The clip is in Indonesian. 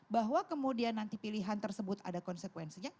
bahwa kemudian nanti pilihan tersebut ada konsekuensinya